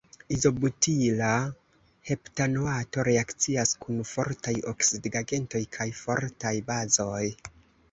Izobutila heptanoato reakcias kun fortaj oksidigagentoj kaj fortaj bazoj.